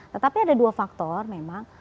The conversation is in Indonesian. tetapi ada dua faktor memang